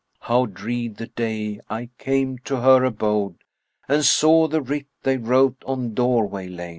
How dread the day I came to her abode * And saw the writ they wrote on doorway lain!